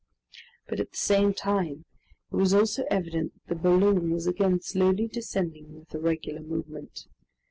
But at the same time, it was also evident that the balloon was again slowly descending with a regular movement.